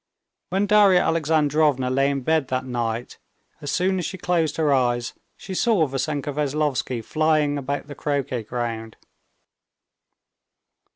When Darya Alexandrovna lay in bed that night, as soon as she closed her eyes, she saw Vassenka Veslovsky flying about the croquet ground.